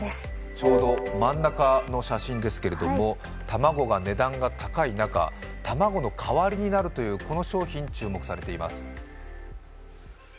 ちょうど真ん中の写真ですけれども、卵が値段が高い中卵の代わりになるというこの商品、注目されています。